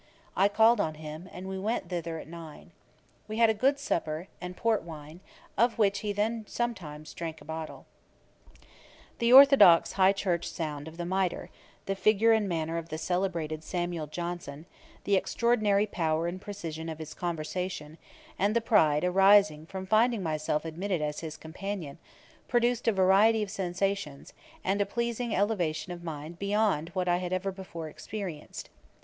I called on him, and we went thither at nine. We had a good supper, and port wine, of which he then sometimes drank a bottle. The orthodox high church sound of the MITRE, the figure and manner of the celebrated SAMUEL JOHNSON, the extraordinary power and precision of his conversation, and the pride arising from finding myself admitted as his companion, produced a variety of sensations, and a pleasing elevation of mind beyond what I had ever before experienced.